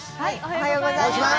おはようございます。